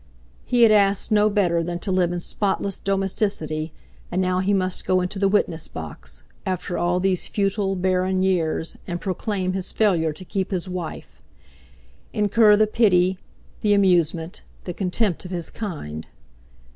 He had asked no better than to live in spotless domesticity, and now he must go into the witness box, after all these futile, barren years, and proclaim his failure to keep his wife—incur the pity, the amusement, the contempt of his kind.